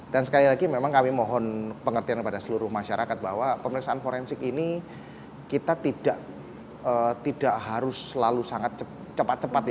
dan sekali lagi memang kami mohon pengertian kepada seluruh masyarakat bahwa pemirsaan forensik ini kita tidak harus selalu sangat cepat cepat